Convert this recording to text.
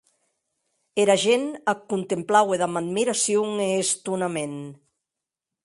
Era gent ac contemplaue damb admiracion e estonament.